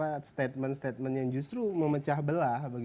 karena itu kan statement statement yang justru memecah belah